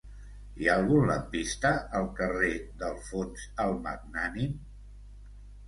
Hi ha algun lampista al carrer d'Alfons el Magnànim?